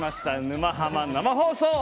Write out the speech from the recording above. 「沼ハマ」生放送！